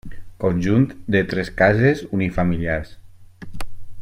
Conjunt de tres cases unifamiliars.